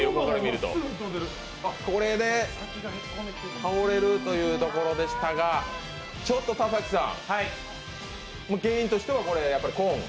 これで倒れるというところでしたがちょっと田崎さん、原因としてはやっぱりコーン。